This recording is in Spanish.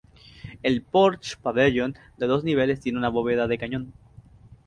El porche-pabellón de dos niveles tiene una bóveda de cañón.